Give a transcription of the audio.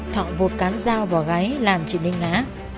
thỏa vụt cắn dao vào gái làm trị ninh ngã